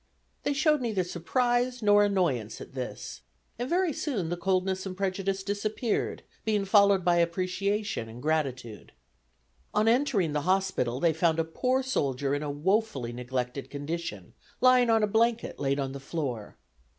They showed neither surprise nor annoyance at this, and very soon the coldness and prejudice disappeared, being followed by appreciation and gratitude. On entering the hospital they found a poor soldier in a woefully neglected condition, lying on a blanket laid on the floor.